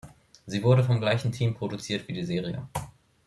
Sie wurde vom gleichen Team produziert wie die Serie.